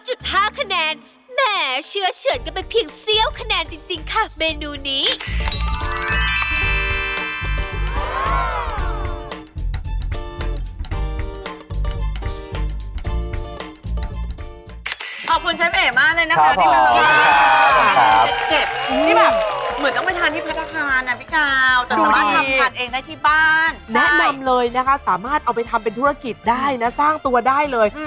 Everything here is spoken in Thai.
ดูดีแน่นอนเลยนะคะสามารถเอาไปทำเป็นธุรกิจได้นะสร้างตัวได้เลย